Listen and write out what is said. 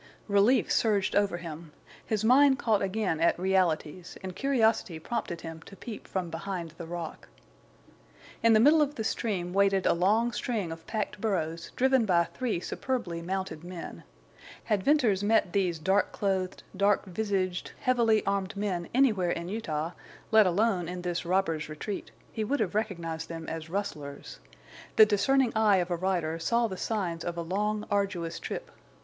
Relief surged over him. His mind caught again at realities, and curiosity prompted him to peep from behind the rock. In the middle of the stream waded a long string of packed burros driven by three superbly mounted men. Had Venters met these dark clothed, dark visaged, heavily armed men anywhere in Utah, let alone in this robbers' retreat, he would have recognized them as rustlers. The discerning eye of a rider saw the signs of a long, arduous trip.